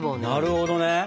なるほどね！